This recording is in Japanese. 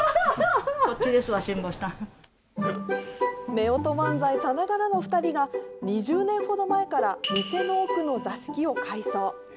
夫婦漫才さながらの２人が、２０年ほど前から店の奥の座敷を改装。